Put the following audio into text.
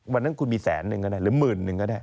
วันนั้นคุณมีแสนหนึ่งก็ได้หรือหมื่นหนึ่งก็ได้